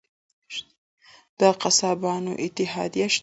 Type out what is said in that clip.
د قصابانو اتحادیه شته؟